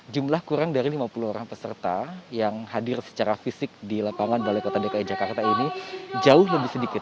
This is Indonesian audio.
jumlah kurang dari lima puluh orang peserta yang hadir secara fisik di lapangan balai kota dki jakarta ini jauh lebih sedikit